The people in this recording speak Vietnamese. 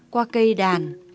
qua cây đàn